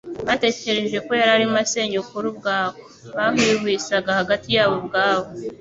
batekereje ko yari arimo asenya ukuri ubwako. Bahwihwisaga hagati yabo ubwabo,